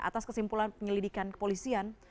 atas kesimpulan penyelidikan kepolisian